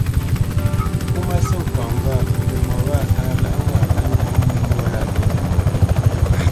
Pó má sî kwaŋnə́ ŋgâʼ tə ŋo wâ á lǎ ŋgâʼ á ghyə̂ nyé mwô lâ pə́ ŋə?